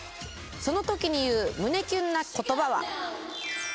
その時に言う胸キュンな言葉は？